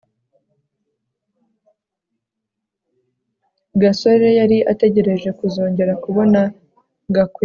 gasore yari ategereje kuzongera kubona gakwego